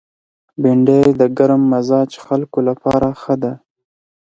بېنډۍ د ګرم مزاج خلکو لپاره ښه ده